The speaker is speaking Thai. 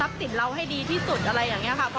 สินเราให้ดีที่สุดอะไรอย่างนี้ค่ะ